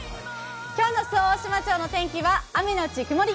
今日の周防大島町の天気は雨のち曇り。